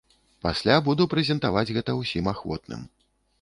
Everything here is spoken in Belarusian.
Пасля буду прэзентаваць гэта ўсім ахвотным.